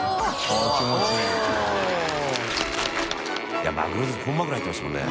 いやマグロ本マグロ入ってましたもんね。